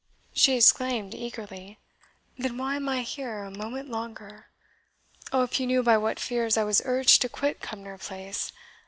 she exclaimed eagerly; "then why am I here a moment longer? Oh, if you knew by what fears I was urged to quit Cumnor Place!